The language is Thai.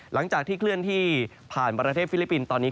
หลังจากที่เคลื่อนที่ผ่านประเทศฟิลิปปินส์ตอนนี้